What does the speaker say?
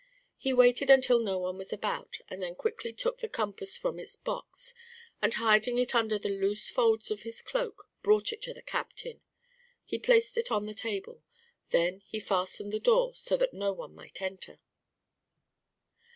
He waited until no one was about, and then quickly took the compass from its box, and hiding it under the loose folds of his cloak, brought it to the captain. He placed it on the table. Then he fastened the door so that none might enter.